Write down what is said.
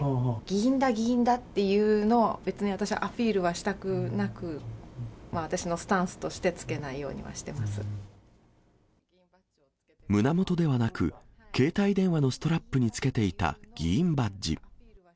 議員だ、議員だっていうのを、別に私、アピールはしたくなく、私のスタンスとして、胸元ではなく、携帯電話のストラップにつけていた議員バッジ。